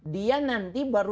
dia nanti baru tahu